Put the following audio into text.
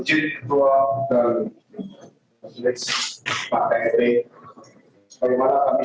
jadi ketua dan pertama pak ketik